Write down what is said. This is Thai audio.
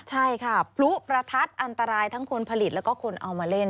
ใช่ค่ะพลุประทัดอันตรายทั้งคนผลิตแล้วก็คนเอามาเล่น